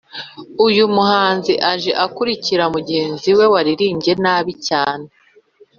uyu muhanzi aje akurikira mugenzi we waririmbye nabi cyane